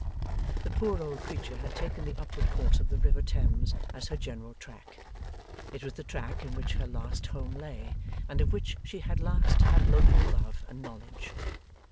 The poor old creature had taken the upward course of the river Thames as her general track; it was the track in which her last home lay, and of which she had last had local love and knowledge.